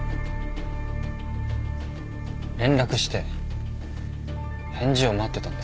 連絡して返事を待ってたんです。